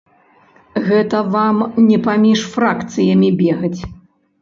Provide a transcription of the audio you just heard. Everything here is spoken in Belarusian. Гэта вам не паміж фракцыямі бегаць.